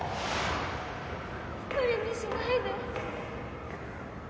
一人にしないで。